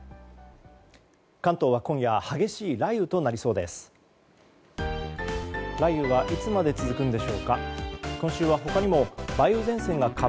関東は今夜激しい雷雨となりそうです。